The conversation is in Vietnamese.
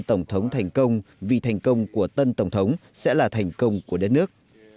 tổng thống thành công vì thành công của tân tổng thống sẽ là thành công của đất nước